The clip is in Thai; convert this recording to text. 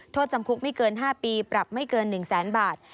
โทษจำคุกไม่เกิน๕ปีปรับไม่เกิน๑แสนบาท